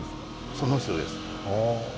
その人です。